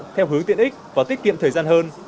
theo hướng tiện ích và tiết kiệm thời gian hơn